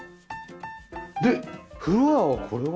でフロアはこれは？